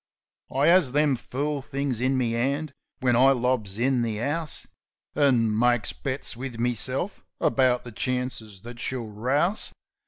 I 'as them fool things in me 'and when I lobs in the 'ouse, An' makes bets wiv meself about the chances that she'll rouse.